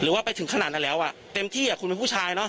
ว่าไปถึงขนาดนั้นแล้วอ่ะเต็มที่คุณเป็นผู้ชายเนอะ